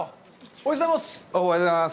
おはようございます。